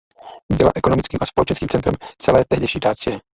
Byla ekonomickým a společenským centrem celé tehdejší Dácie.